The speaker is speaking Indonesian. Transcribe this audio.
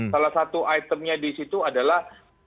salah satu itemnya di situ adalah